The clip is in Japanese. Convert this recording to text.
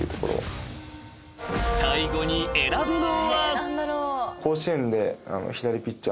［最後に選ぶのは］